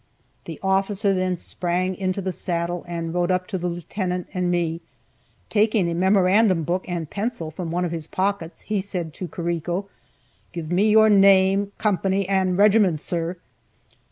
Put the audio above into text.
The officer then sprang into the saddle, and rode up to the lieutenant and me. Taking a memorandum book and pencil from one of his pockets, he said to Carrico, "Give me your name, company, and regiment, sir."